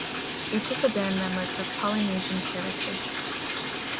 Each of the band members have Polynesian heritage.